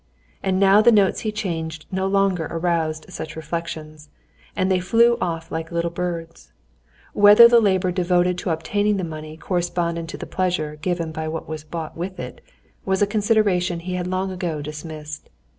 And now the notes he changed no longer aroused such reflections, and they flew off like little birds. Whether the labor devoted to obtaining the money corresponded to the pleasure given by what was bought with it, was a consideration he had long ago dismissed.